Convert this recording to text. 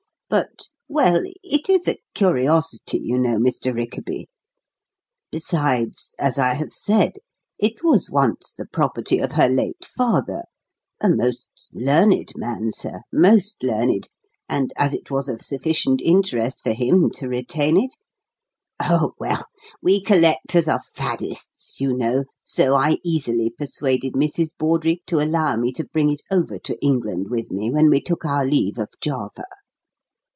But well, it is a curiosity, you know, Mr. Rickaby. Besides, as I have said, it was once the property of her late father, a most learned man, sir, most learned, and as it was of sufficient interest for him to retain it oh, well, we collectors are faddists, you know, so I easily persuaded Mrs. Bawdrey to allow me to bring it over to England with me when we took our leave of Java.